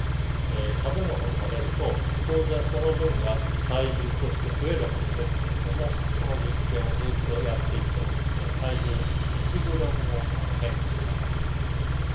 食べ物を食べると当然その分が体重として増えるはずですけれどもこの実験をずっとやっていってもですね体重１グラムも変化しなかったんですね。